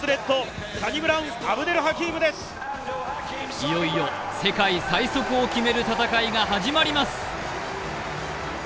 いよいよ世界最速を決める戦いが始まります。